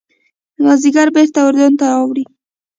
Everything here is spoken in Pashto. مازیګر بېرته اردن ته اوړي.